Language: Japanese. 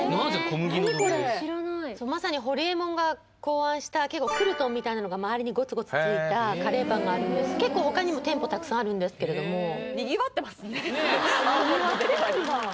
小麦の奴隷まさにホリエモンが考案したクルトンみたいなのが周りにゴツゴツついたカレーパンがあるんです結構他にも店舗たくさんあるんですけれども賑わってるんだ